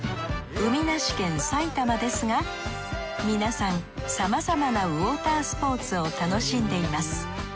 海なし県埼玉ですが皆さんさまざまなウォータースポーツを楽しんでいます。